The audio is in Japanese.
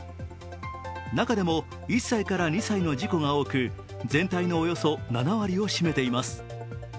中でも１歳から２歳の事故が多く全体のおよそ７割を占めています。